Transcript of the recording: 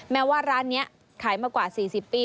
แม้ว่าร้านนี้ขายมากว่า๔๐ปี